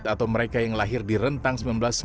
atau mereka yang lahir di rentang